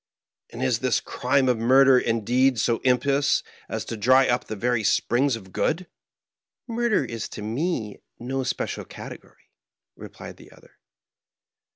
And is this crime of murder indeed so im pious as to dry up the very springs of good?" " Murder is to me no special category," replied the other.